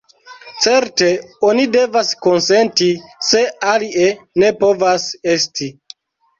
Certe oni devas konsenti, se alie ne povas esti.